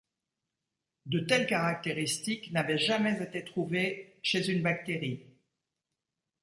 De telles caractéristiques n’avaient jamais été trouvées chez une bactérie.